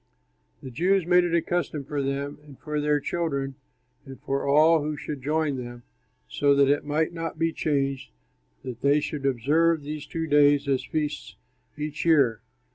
The Jews made it a custom for them, and for their children, and for all who should join them, so that it might not be changed, that they should observe these two days as feasts each year.